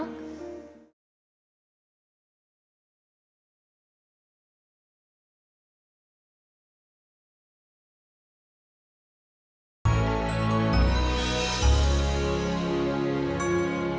jadi nikmatin dia lah